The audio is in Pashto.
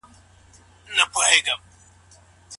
تر واده وروسته کومې لارښوونې اړينې ګڼل کېږي؟